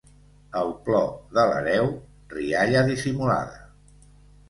El plor de l'hereu, rialla dissimulada.